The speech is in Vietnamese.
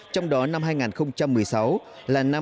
trong đó năm hai nghìn một mươi sáu là năm mươi